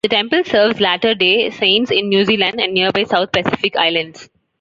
The temple serves Latter-day Saints in New Zealand and nearby South Pacific islands.